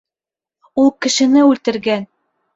— Ул кешене үлтергән!